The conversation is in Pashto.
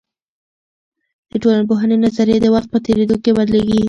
د ټولنپوهني نظريې د وخت په تیریدو کې بدلیږي.